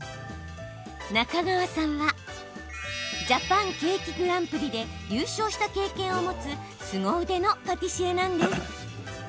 中川さんはジャパン・ケーキ・グランプリで優勝した経歴を持つすご腕のパティシエなんです。